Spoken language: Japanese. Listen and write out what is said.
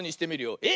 えっ！